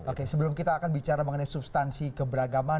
oke sebelum kita akan bicara mengenai substansi keberagaman